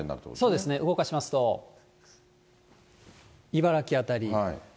そうですね、動かしますと、茨城辺り。